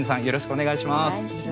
お願いします。